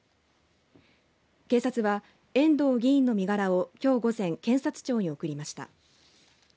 警察は、遠藤議員の身柄をきょう午前検察庁に送りました。